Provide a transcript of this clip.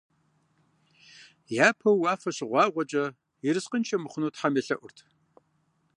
Япэу уафэ щыгъуагъуэкӀэ, ерыскъыншэ мыхъуну тхьэм елъэӀурт.